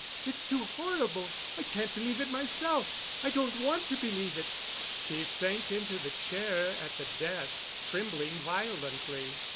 It's too horrible. I can't believe it myself. I don't want to believe it." She sank into the chair at the desk, trembling violently.